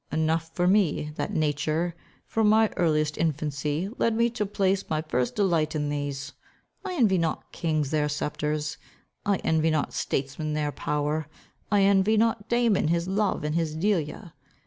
Enough for me, that nature, from my earliest infancy, led me to place my first delight in these. I envy not kings their sceptres. I envy not statesmen their power. I envy not Damon his love, and his Delia.